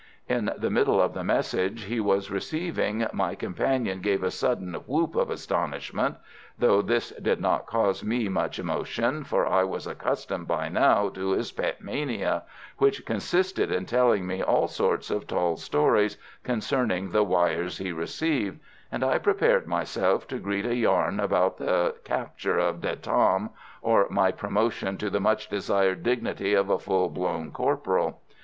In the middle of the message he was receiving, my companion gave a sudden whoop of astonishment; though this did not cause me much emotion, for I was accustomed by now to his pet mania, which consisted in telling me all sorts of tall stories concerning the wires he received, and I prepared myself to greet a yarn about the capture of De Tam, or my promotion to the much desired dignity of a full blown corporal.